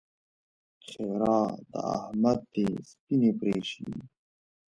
ښېرا: د احمد دې سپينې پرې شي!